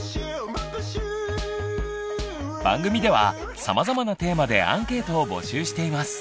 番組ではさまざまなテーマでアンケートを募集しています！